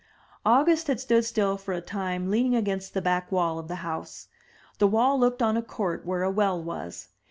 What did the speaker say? August had stood still for a time, leaning against the back wall of the house. The wall looked on a court where a well was.